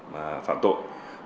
và phạm tội